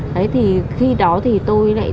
đấy thì khi đó thì tôi lại